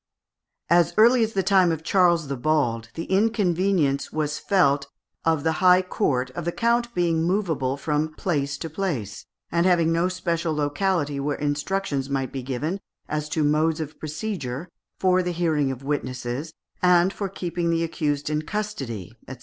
As early as the time of Charles the Bald, the inconvenience was felt of the high court of the count being movable from place to place, and having no special locality where instructions might be given as to modes of procedure, for the hearing of witnesses, and for keeping the accused in custody, &c.